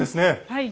はい。